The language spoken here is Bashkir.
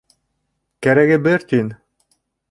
Кәрәге бер тин!